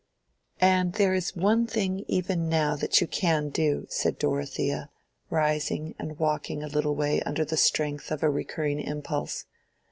"And there is one thing even now that you can do," said Dorothea, rising and walking a little way under the strength of a recurring impulse.